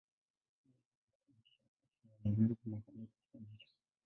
Hii inaweza kusababisha upofu na maumivu makali katika jicho.